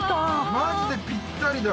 マジでぴったりだ。